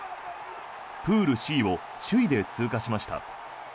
プールＣを首位で通過しました。